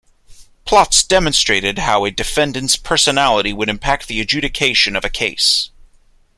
Plots demonstrated how a defendant's personality would impact the adjudication of a case.